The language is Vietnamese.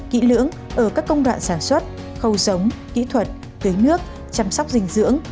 kỹ lưỡng ở các công đoạn sản xuất khâu sống kỹ thuật tưới nước chăm sóc dinh dưỡng